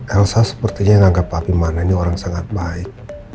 elsa sepertinya menganggap pak bimana ini orang sangat baik